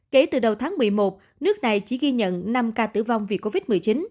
kể từ đầu tháng một mươi một nước này chỉ ghi nhận năm ca tử vong vì covid một mươi chín